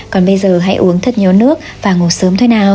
còn bây giờ hãy uống thật nhiều nước và ngủ sớm thôi nào